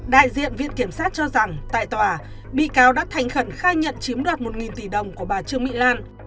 đại diện viện kiểm sát cho rằng tại tòa bị cáo đã thành khẩn khai nhận chiếm đoạt một tỷ đồng của bà trương mỹ lan